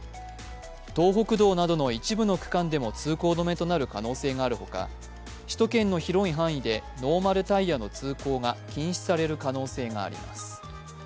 東北道などの一部の区間でも通行止めとなる可能性があるほか、首都圏の広い範囲でノーマルタイヤの通行が禁止される可能性があります。